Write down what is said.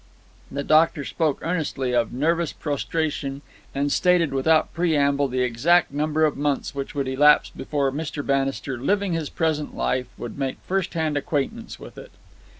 The doctor spoke earnestly of nervous prostration and stated without preamble the exact number of months which would elapse before Mr. Bannister living his present life, would make first hand acquaintance with it.